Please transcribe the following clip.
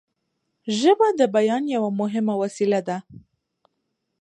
ژبه د بیان یوه مهمه وسیله ده